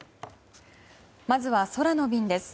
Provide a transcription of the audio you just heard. まずは空の便です。